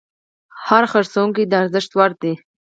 هر پیرودونکی د ارزښت وړ دی.